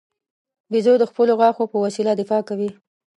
بیزو د خپلو غاښو په وسیله دفاع کوي.